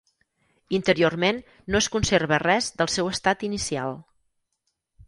Interiorment no es conserva res del seu estat inicial.